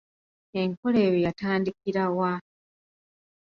Enkola eyo yatandikira wa?